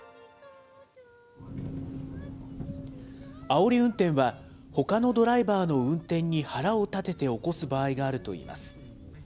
あおり運転は、ほかのドライバーの運転に腹を立てて起こす場合が多いといいます。